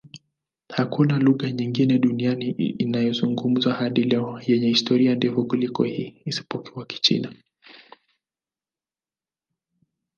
Hakuna lugha nyingine duniani inayozungumzwa hadi leo yenye historia ndefu kuliko hii, isipokuwa Kichina.